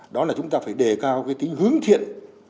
đó là chúng ta phải đề cao cái tính hướng thiện